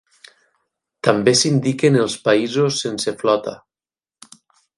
També s'indiquen els països sense flota.